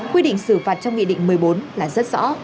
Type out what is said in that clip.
quy định xử phạt trong nghị định một mươi bốn là rất rõ